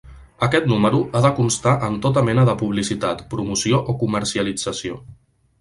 Aquest número ha de constar en tota mena de publicitat, promoció o comercialització.